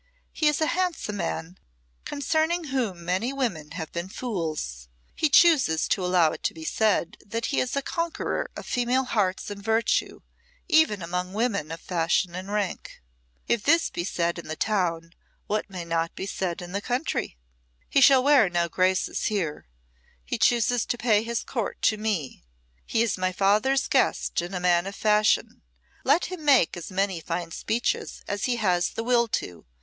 "He is a handsome man, concerning whom many women have been fools. He chooses to allow it to be said that he is a conqueror of female hearts and virtue, even among women of fashion and rank. If this be said in the town, what may not be said in the country? He shall wear no such graces here. He chooses to pay his court to me. He is my father's guest and a man of fashion. Let him make as many fine speeches as he has the will to.